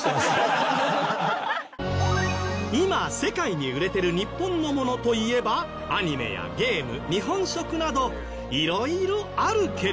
今世界に売れてる日本のものといえばアニメやゲーム日本食など色々あるけれど